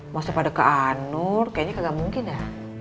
masa pada ke an nur kayaknya kagak mungkin ya